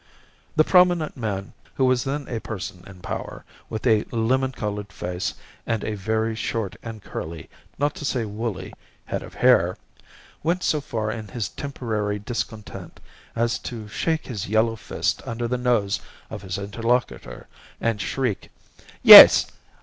The prominent man (who was then a person in power, with a lemon coloured face and a very short and curly, not to say woolly, head of hair) went so far in his temporary discontent as to shake his yellow fist under the nose of his interlocutor, and shriek "Yes!